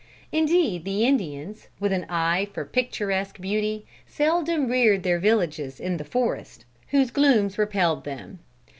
Indeed the Indians, with an eye for picturesque beauty, seldom reared their villages in the forest, whose glooms repelled them.